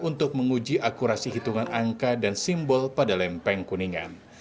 untuk menguji akurasi hitungan angka dan simbol pada lempeng kuningan